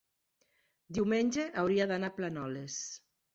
diumenge hauria d'anar a Planoles.